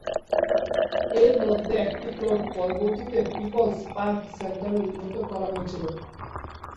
এর মধ্যে একটি প্লট পরবর্তীতে পিপলস পার্ক সেন্টারে উন্নত করা হয়েছিল।